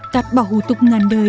cắt bỏ hù tục ngăn nơi